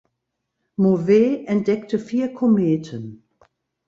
Mauvais entdeckte vier Kometen.